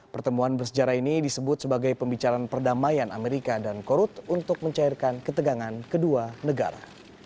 pertemuan bersejarah ini disebut sebagai pembicaraan perdamaian amerika dan korut untuk mencairkan ketegangan kedua negara